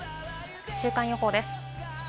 週間予報です。